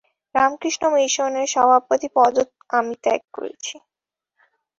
রামকৃষ্ণ মিশনের সভাপতির পদও আমি ত্যাগ করেছি।